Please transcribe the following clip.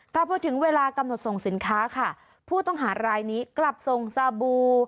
แต่พอถึงเวลากำหนดส่งสินค้าค่ะผู้ต้องหารายนี้กลับส่งซาบู